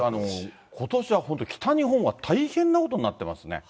ことしは本当に北日本は大変なことになってますね。